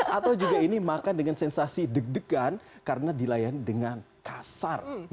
atau juga ini makan dengan sensasi deg degan karena dilayani dengan kasar